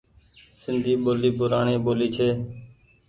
سندي ٻولي پوڙآڻي ٻولي ڇي۔